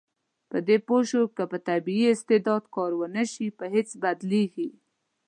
په دې پوه شو چې که په طبیعي استعداد کار ونشي، په هېڅ بدلیږي.